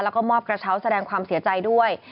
แล้วก็มอบกระเช้าแสดงความเสียใจด้วย